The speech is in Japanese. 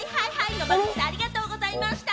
野間口さん、ありがとうございました。